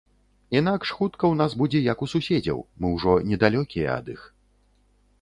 Інакш хутка ў нас будзе, як у суседзяў, мы ўжо не далёкія ад іх.